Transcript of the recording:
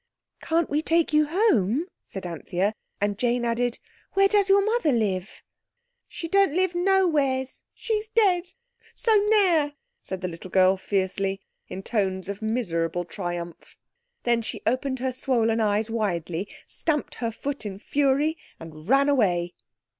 "Can't we take you home?" said Anthea; and Jane added, "Where does your mother live?" "She don't live nowheres—she's dead—so now!" said the little girl fiercely, in tones of miserable triumph. Then she opened her swollen eyes widely, stamped her foot in fury, and ran away.